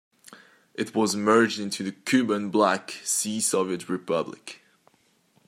It was merged into the Kuban-Black Sea Soviet Republic.